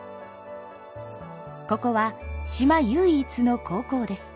ここは島唯一の高校です。